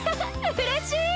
うれしい！